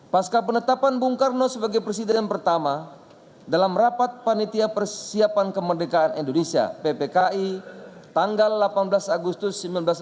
pasca penetapan bung karno sebagai presiden yang pertama dalam rapat panitia persiapan kemerdekaan indonesia ppki tanggal delapan belas agustus seribu sembilan ratus empat puluh